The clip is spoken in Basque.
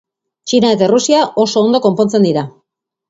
Txina eta Errusia oso ondo konpontzen dira.